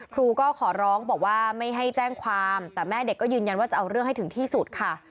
ครูก็ขอร้องบอกว่าไม่ให้แจ้งความแต่แม่เด็กก็ยืนยันว่าจะเอาเรื่องให้ถึงที่สุดค่ะ